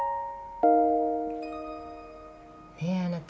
ねえあなた。